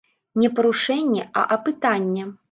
Не парушэння, а апытання.